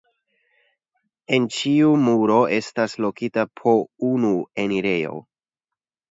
En ĉiu muro estas lokita po unu enirejo.